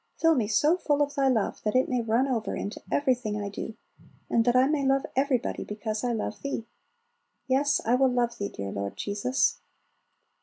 Fill me so full of Thy love that it may run over into everything I do, and that I may love everybody because I love Thee. Yes, I will love Thee, dear Lord Jesus!